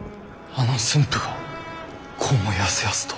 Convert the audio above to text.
あの駿府がこうもやすやすと。